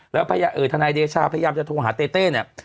แล้วทนายเดชาพยายามจะโทรหาเต้เต้เนี่ย